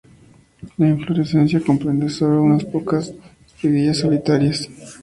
La inflorescencia comprende sólo unas pocas espiguillas solitarias.